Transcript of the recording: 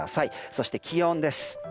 そして、気温です。